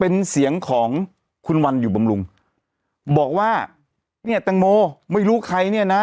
เป็นเสียงของคุณวันอยู่บำรุงบอกว่าเนี่ยแตงโมไม่รู้ใครเนี่ยนะ